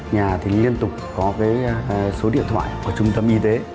nhà thì liên tục có cái số điện thoại của trung tâm y tế